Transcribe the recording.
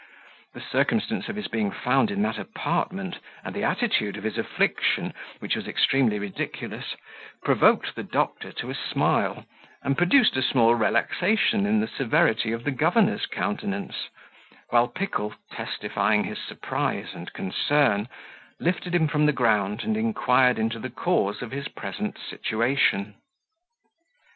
The circumstance of his being found in that apartment, and the attitude of his affliction, which was extremely ridiculous, provoked the doctor to a smile, and produced a small relaxation in the severity of the governor's countenance; while Pickle, testifying his surprise and concern, lifted him from the ground, and inquired into the cause of his present situation.